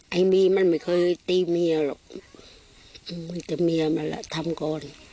ไอ้บีมันไม่เคยตีเมียหรอกแต่เมียมันแหละทำก่อน